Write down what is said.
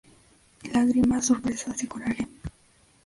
Lágrimas, Sorpresas y Coraje".